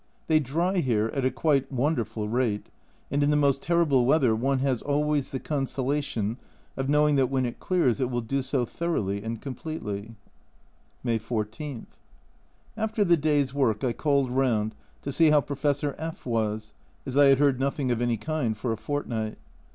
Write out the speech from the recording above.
They dry here at a quite wonderful rate, and in the most terrible weather one has always the consola tion of knowing that when it clears it will do so thoroughly and completely. May 14. After the day's work I called round to see how Professor F was, as I had heard nothing of any kind for a fortnight.